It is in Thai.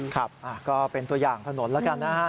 ครับก็เป็นตัวอย่างถนนแล้วกันนะฮะ